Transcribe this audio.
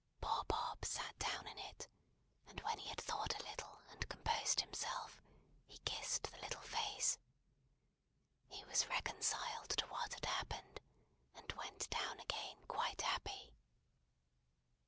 Poor Bob sat down in it, and when he had thought a little and composed himself, he kissed the little face. He was reconciled to what had happened, and went down again quite happy.